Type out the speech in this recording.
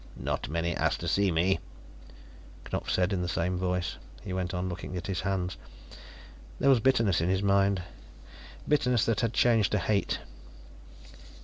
"Not many ask to see me," Knupf said in the same voice. He went on looking at his hands. There was bitterness in his mind, bitterness that had changed to hate.